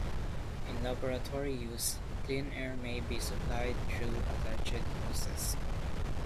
In laboratory use, clean air may be supplied through attached hoses.